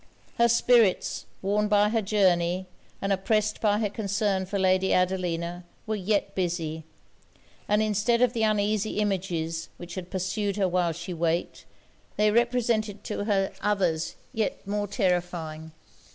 Her spirits, worn by her journey, and oppressed by her concern for Lady Adelina, were yet busy; and instead of the uneasy images which had pursued her while she waked, they represented to her others yet more terrifying.